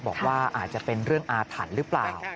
บอกว่าอาจจะเป็นเรื่องอาถรรพ์หรือเปล่า